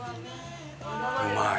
うまい！